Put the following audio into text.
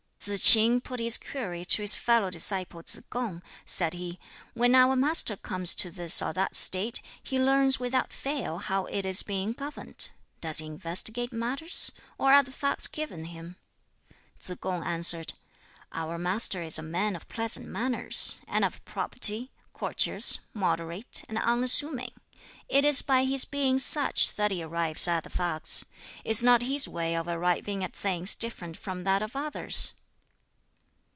Tsz k'in put this query to his fellow disciple Tsz kung: said he, "When our Master comes to this or that State, he learns without fail how it is being governed. Does he investigate matters? or are the facts given him?" Tsz kung answered, "Our Master is a man of pleasant manners, and of probity, courteous, moderate, and unassuming: it is by his being such that he arrives at the facts. Is not his way of arriving at things different from that of others?"